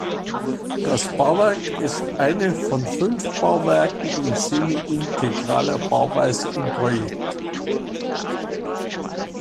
Das Bauwerk ist eine von fünf Bauwerken in semi-integraler Bauweise im Projekt.